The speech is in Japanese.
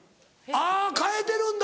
あぁ変えてるんだ。